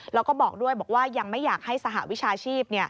แล้วก็บอกด้วยบอกว่ายังไม่อยากให้สหวิชาชีพ